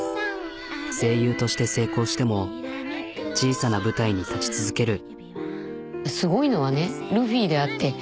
声優として成功しても小さな舞台に立ち続ける。